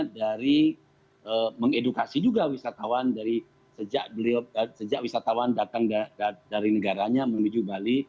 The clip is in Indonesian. dari mengedukasi juga wisatawan dari sejak beliau sejak wisatawan datang dari negaranya menuju bali